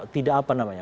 tidak apa namanya